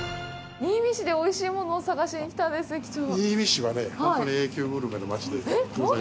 新見市でおいしいものを探しに来たんです、駅長。